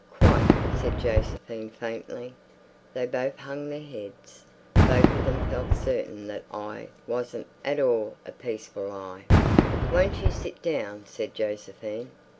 "Quite," said Josephine faintly. They both hung their heads. Both of them felt certain that eye wasn't at all a peaceful eye. "Won't you sit down?" said Josephine.